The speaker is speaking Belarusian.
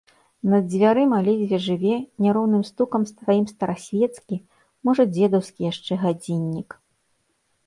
Над дзвярыма ледзьве жыве няроўным стукам сваім старасвецкі, можа, дзедаўскі яшчэ, гадзіннік.